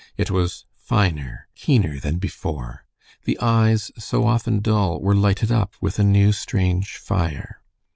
It was finer, keener, than before. The eyes, so often dull, were lighted up with a new, strange fire.